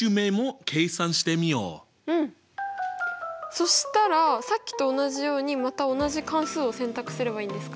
そしたらさっきと同じようにまた同じ関数を選択すればいいんですか？